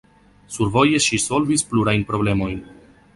Survoje ŝi solvis plurajn problemojn.